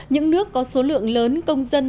những nước có số lượng lớn công dân